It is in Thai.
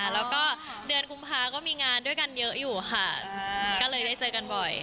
แล้วก็เดือนกุมภาก็มีงานด้วยกันเยอะอยู่ค่ะก็เลยได้เจอกันบ่อย